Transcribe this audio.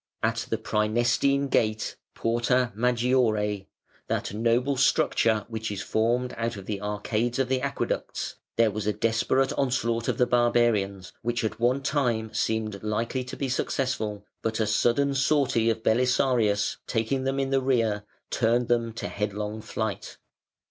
At the Prænestine Gate (Porta Maggiore), that noble structure which is formed out of the arcades of the Aqueducts, there was a desperate onslaught of the barbarians, which at one time seemed likely to be successful, but a sudden sortie of Belisarius taking them in their rear turned them to headlong flight.